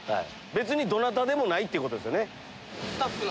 どなたでもないってことですね？